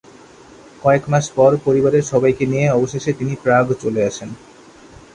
কয়েক মাস পর পরিবারের সবাইকে নিয়ে অবশেষে তিনি প্রাগ চলে আসেন।